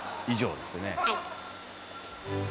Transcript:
「以上」ですね。